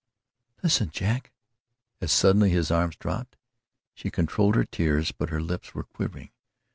"Listen, Jack!" As suddenly his arms dropped. She had controlled her tears but her lips were quivering.